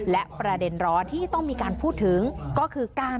และประเด็นร้อนที่ต้องมีการพูดถึงก็คือการ